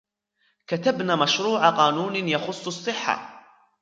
كتبن مشروع قانون يخص الصحة.